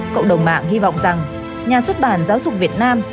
cộng đồng mạng hy vọng rằng nhà xuất bản giáo dục việt nam